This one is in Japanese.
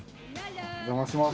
お邪魔します。